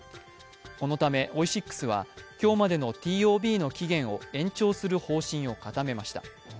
このためオイシックスは今日までのＴＯＢの期限を延長する方針を固めました。